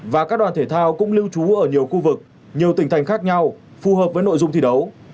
và các đoàn thể thao cũng lưu trú ở nhiều khu vực nhiều tỉnh thành khác nhau phù hợp với nội dung thi đấu